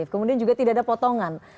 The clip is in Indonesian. kemudian juga tidak ada potongan